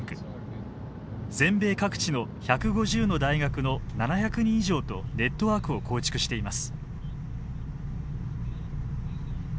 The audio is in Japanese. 全米各地の１５０の大学の７００人以上とネットワークを構築しています。